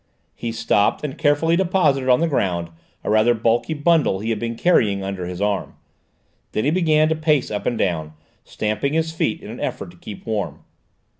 He stopped and carefully deposited on the ground a rather bulky bundle he had been carrying under his arm; then he began to pace up and down, stamping his feet in an effort to keep warm.